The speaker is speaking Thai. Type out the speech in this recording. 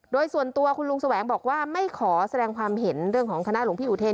โดยส่วนตัวคุณลุงแสวงบอกว่าไม่ขอแสดงความเห็นเรื่องของคณะหลวงพี่อุเทร